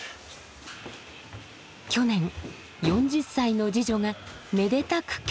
去年４０歳の次女がめでたく結婚。